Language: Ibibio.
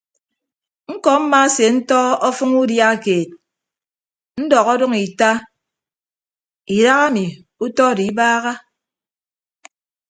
Ñkọ mmaasentọ ọfʌñ udia keed ndọk ọdʌñ ita idaha emi utọ odo ibaaha.